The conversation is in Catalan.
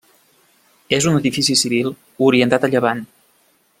És un edifici civil orientat a llevant.